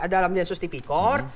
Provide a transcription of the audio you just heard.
dalam densus tipikor